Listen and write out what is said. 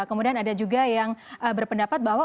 kemudian ada juga yang berpendapat bahwa